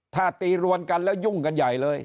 ถ้าตีรวนกันแล้วยุ่งกันใหญ่เลย